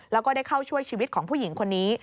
แล้วก็ได้เข้าช่วยชีวิตของผู้หญิงคนนี้